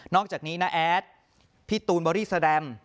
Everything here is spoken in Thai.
นอกจากนี้นะแอดพี่ตูนบริสดรรม